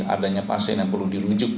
adanya pasien yang perlu dirujuk